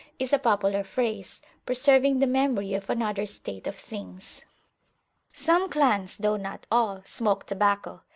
is a popular phrase, preserving the memory of another state of things. Some clans, though not all, smoke tobacco.